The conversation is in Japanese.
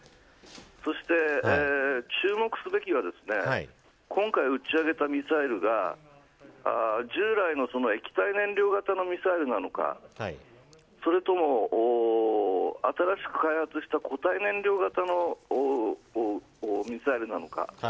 そして、注目すべきは今回、打ち上げたミサイルが従来の液体燃料型のミサイルなのかそれとも新しく開発した固体燃料型のミサイルなのか。